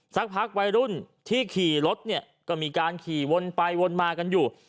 สักพักวัยรุ่นที่ขี่รถเนี่ยก็มีการขี่วนไปวนมากันอยู่